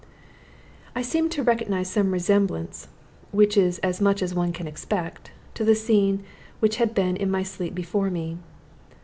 I seemed to recognize some resemblance (which is as much as one can expect) to the scene which had been in my sleep before me.